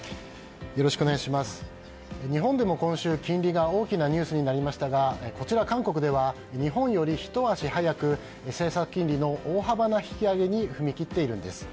日本でも今週、金利が大きなニュースになりましたがこちら韓国では日本より、ひと足早く政策金利の大幅な引き上げに踏み切っているんです。